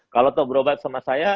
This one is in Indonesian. kalau tau berobat sama saya